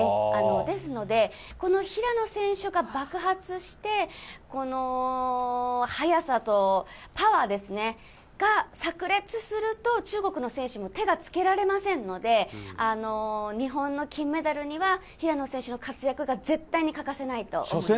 ですので、この平野選手が爆発して、この速さとパワーですね、が、さく裂すると、中国の選手も手がつけられませんので、日本の金メダルには平野選手の活躍が絶対に欠かせないと思います。